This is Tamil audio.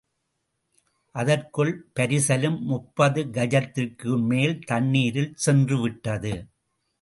அதற்குள் பரிசலும் முப்பது கஜத்திற்குமேல் தண்ணீரில் சென்றுவிட்டது.